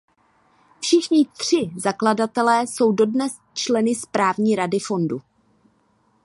Všichni tři zakladatelé jsou dodnes členy správní rady fondu.